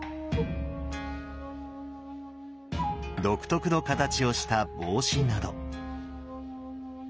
独特の形をした帽子など。